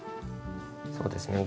そうですね。